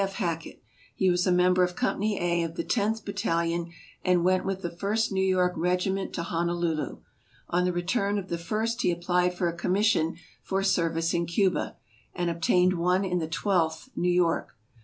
F. Hackett. He was a member of Company A of the Tenth Battalion, and went with the First "New York Eegiment to Honolulu. On the return of the First he applied for a commission for service in Cuba, and obtained one in the Twelfth New York.